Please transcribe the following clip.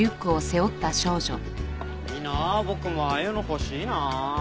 いいなあ僕もああいうの欲しいなあ。